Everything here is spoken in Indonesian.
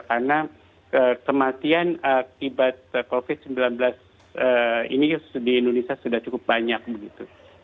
karena kematian akibat covid sembilan belas ini di indonesia sudah cukup banyak begitu